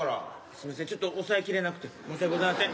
すみませんちょっと抑えきれなくて申し訳ございません。